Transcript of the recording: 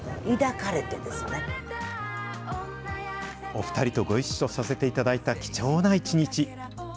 お２人とご一緒させていただいた貴重な一日。